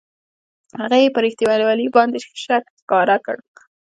هغه یې پر رښتینوالي باندې شک ښکاره کړ.